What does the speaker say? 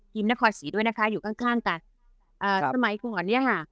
ทีมนครศรีด้วยนะคะอยู่ข้างข้างกันอ่าสมัยของก่อนเนี่ยฮะ